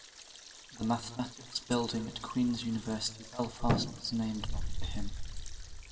The Mathematics Building at Queens University Belfast, is named after him.